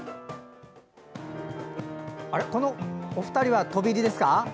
このお二人は飛び入りですか？